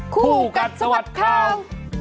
ผู้กัดสวัสดิ์ข่าว